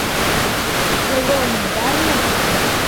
Һолоң бармы?